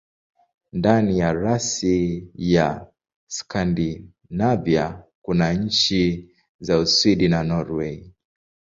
Ndani ya rasi ya Skandinavia kuna nchi za Uswidi na Norwei.